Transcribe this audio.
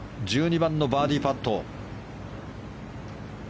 １２番、バーディーパット。